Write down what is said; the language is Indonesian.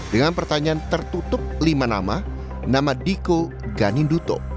dengan pertanyaan tertutup lima nama nama diko ganinduto